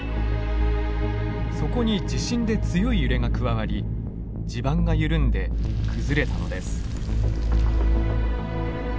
そこに地震で強い揺れが加わり地盤が緩んで崩れたのです。